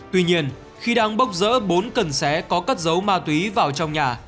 tuy nhiên khi đang bốc rỡ bốn cần xé có cắt dấu ma túy vào trong nhà